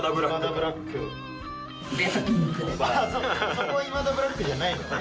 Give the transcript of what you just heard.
そこは今田ブラックじゃないのね。